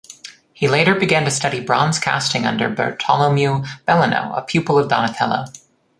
He later began to study bronze casting under Bartolomeo Bellano, a pupil of Donatello.